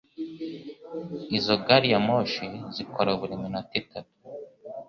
Izo gari ya moshi zikora buri minota itatu.